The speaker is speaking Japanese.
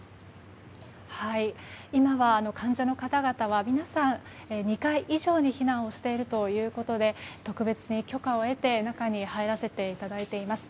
今は患者の方々は皆さん、２階以上に避難をしているということで特別に許可を得て中に入らせていただいています。